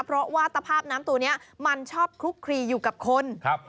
เพราะว่าสภาพน้ำตัวนี้มันชอบคลุกคลีอยู่กับคนครับ